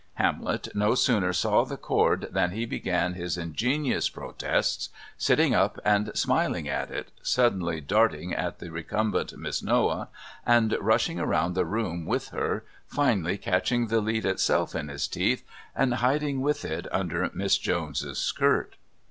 Hamlet no sooner saw the cord than he began his ingenious protests, sitting up and smiling at it, suddenly darting at the recumbent Miss Noah and rushing round the room with her, finally catching the "lead" itself in his teeth and hiding with it under Miss Jones's skirt.